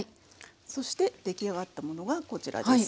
そして出来上がったものがこちらです。